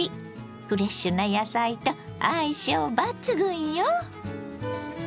フレッシュな野菜と相性抜群よ。